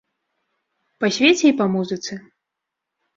Па свеце і па музыцы.